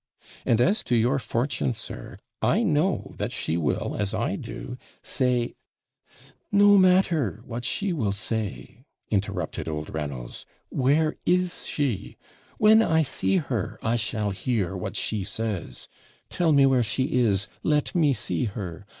'And as to your fortune, sir, I know that she will, as I do, say ' 'No matter what she will say,' interrupted old Reynolds; 'where is she? When I see her, I shall hear what she says. Tell me where she is, let me see her.